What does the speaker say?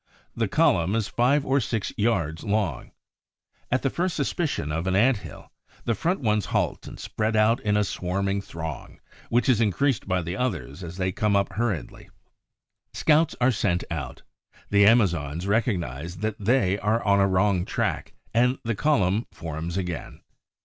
The column is five or six yards long. At the first suspicion of an ant hill, the front ones halt and spread out in a swarming throng, which is increased by the others as they come up hurriedly. Scouts are sent out; the Amazons recognize that they are on a wrong track; and the column forms again.